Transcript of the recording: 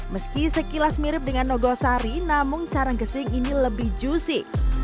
meski sekilas mirip dengan nogosari namun carang gesing ini lebih juicy